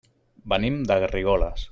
Venim de Garrigoles.